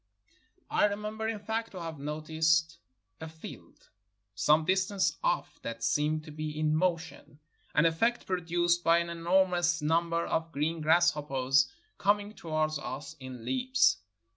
I remember, in fact, to have noticed a field some distance off that seemed to be in motion, an efifect produced by an enormous number of green grass hoppers coming towards us in leaps.